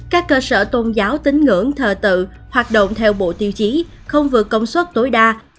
các cơ sở tôn giáo tính ngưỡng thờ tự hoạt động theo bộ tiêu chí không vượt công suất tối đa